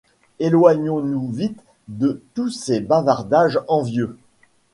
Éloignons-nous vite de tous ces bavardages envieux.